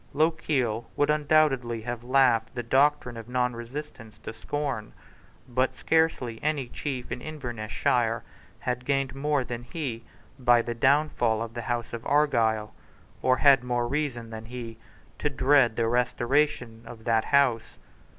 Lochiel would undoubtedly have laughed the doctrine of nonresistance to scorn. But scarcely any chief in Invernessshire had gained more than he by the downfall of the House of Argyle, or had more reason than he to dread the restoration of that House.